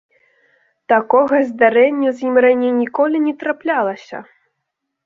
Такога здарэння з ім раней ніколі не траплялася!